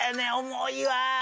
重いわ！